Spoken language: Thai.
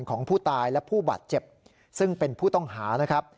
ของผู้ตายและผู้บาดเจ็บซึ่งเป็นผู้ต้องหานะครับ